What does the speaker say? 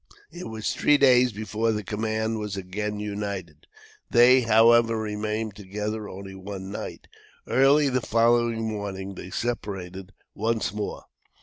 It was three days before the command was again united. They, however, remained together only one night. Early the following morning they separated once more.